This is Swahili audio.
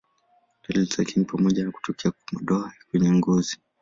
Dalili zake ni pamoja na kutokea kwa madoa kwenye ngozi.